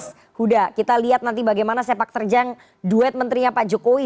mas huda kita lihat nanti bagaimana sepak terjang duet menterinya pak jokowi